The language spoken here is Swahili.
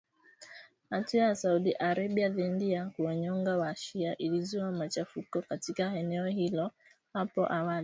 Hatua ya Saudi Arabia dhidi ya kuwanyonga wa-shia ilizua machafuko katika eneo hilo hapo awali.